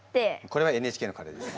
これはＮＨＫのカレーです。